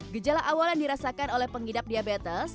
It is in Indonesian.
gejala awal yang dirasakan oleh pengidap diabetes